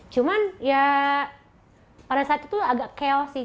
cuman ya pada saat itu agak keoh sih